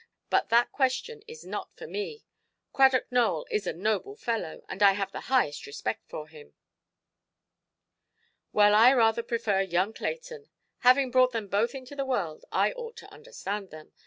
But that question is not for me. Cradock Nowell is a noble fellow, and I have the highest respect for him". "Well, I rather prefer young Clayton. Having brought them both into the world, I ought to understand them.